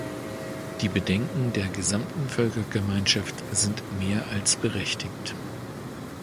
Die Bedenken der gesamten Völkergemeinschaft sind mehr als berechtigt.